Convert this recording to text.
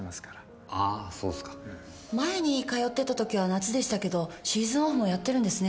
あぁそうすか。前に通ってた時は夏でしたけどシーズンオフもやってるんですね？